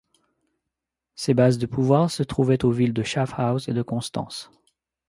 Ses bases de pouvoir se trouvaient aux villes de Schaffhouse et de Constance.